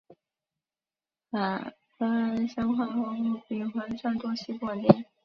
反芳香化合物比环状多烯不稳定。